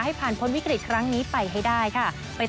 ให้ผ่านพ้นวิกฤตครั้งนี้ไปให้ได้ค่ะ